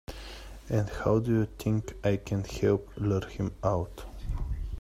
And how do you think I can help lure him out?